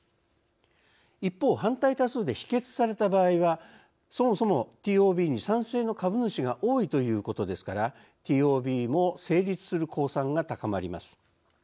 一方反対多数で否決された場合はそもそもＴＯＢに賛成の株主が多いということですからＴＯＢも成立する公算が高まります。